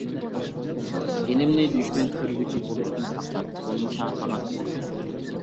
ئىلىمنى دۈشمەن كۆرگۈچى بولۇشتىن ساقلان، بولمىسا ھالاك بولىسەن.